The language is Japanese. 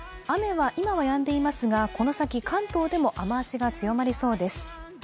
雨は今はやんでいますが、この先、関東でも雨足が強まりそうです。